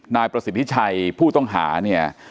นายประสิทธิชัยผู้ต้องหาเนี่ย